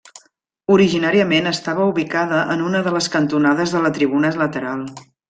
Originàriament estava ubicada en una de les cantonades de la tribuna lateral.